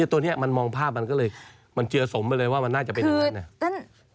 ตัวนี้มันมองภาพมันก็เลยมันเจือสมไปเลยว่ามันน่าจะเป็นอย่างนั้นเนี่ย